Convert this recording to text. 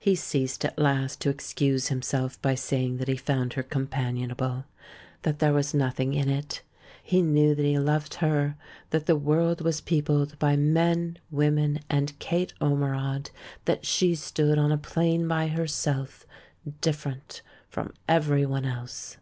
He ceased at last to excuse himself by saying that he found her "companionable," that there was "nothing in 302 THE MAN WHO UNDERSTOOD WOMEN it"; he knew that he loved her, that the world was peopled by men, women, and Kate Orme rod; that she stood on a plane by herself — dif ferent from everyone else.